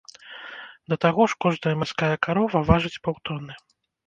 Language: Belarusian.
Да таго ж, кожная марская карова важыць паўтоны.